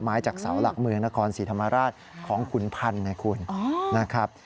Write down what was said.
ไม้จากเสาหลักเมืองนครสีธรรมราชของขุนพันธุ์นะครับ